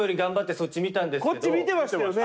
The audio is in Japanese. こっち見てましたよね。